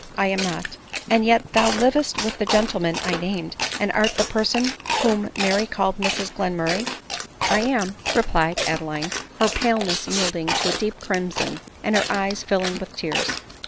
," I am not," " And yet thou livest with the gentleman i named, and art die person whom Mary called Mrs Glen murray ?"" I am," replied Adeline, her paleness yielding to a deep crimson, and her eyes filling with tears.